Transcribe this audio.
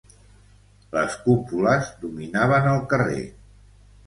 Les cúpules dominaven el carrer